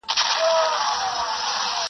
رود یوازي هغه وخت په دې پوهیږي -